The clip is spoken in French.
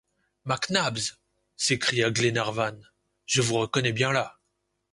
Mac Nabbs, s’écria Glenarvan, je vous reconnais bien là!